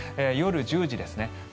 夜１０時です。